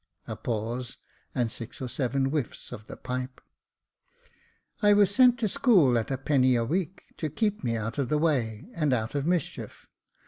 [A pause, and six or seven whiffs of the pipe.] " I was sent to school at a penny a week, to keep me out of the way, and out of mischief.